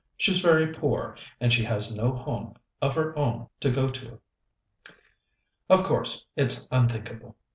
She's very poor, and she has no home of her own to go to." "Of course, it's unthinkable.